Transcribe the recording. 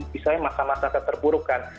bisa yang masa masa terburukan